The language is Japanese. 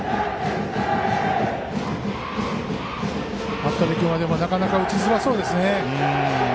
服部君はなかなか打ちづらそうですね。